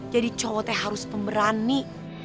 jadi cowoknya harus pemberani